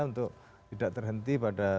untuk tidak terhenti pada